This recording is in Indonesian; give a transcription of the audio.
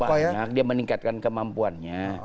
banyak dia meningkatkan kemampuannya